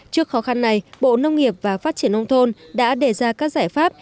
trước khó khăn này bộ nông nghiệp và phát triển nông thôn đã đề ra các giải pháp